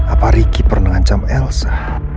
apa ricky pernah ngancam elsa